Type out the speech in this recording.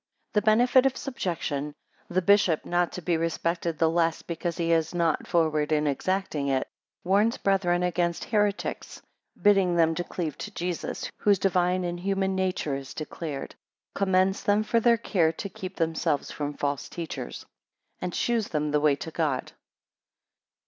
1 The benefit of subjection. 4 The bishop not to be respected the less because he is not forward in exacting it: 8 warns brethren against heretics; bidding them cleave to Jesus, whose divine and human mature is declared: commends them for their care to keep themselves from false teachers: and shews them the way to God.